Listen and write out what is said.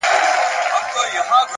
انسان د خپلې ژمنې په اندازه لوی وي.!